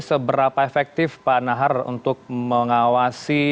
seberapa efektif pak nahar untuk mengawasi